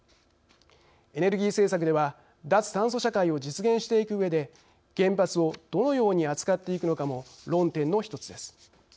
エネルギー政策では脱炭素社会を実現していくうえで原発をどのように扱っていくのかも論点の１つです。